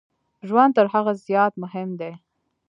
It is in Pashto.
ژوند تر هغه زیات مهم دی.